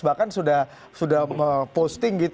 bahkan sudah posting